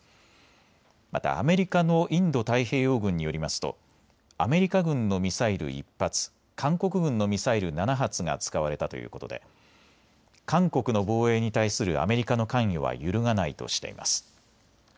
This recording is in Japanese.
またアメリカのインド太平洋軍によりますとアメリカ軍のミサイル１発、韓国軍のミサイル７発が使われたということで韓国の防衛に対するアメリカの関与は揺るがないとしています。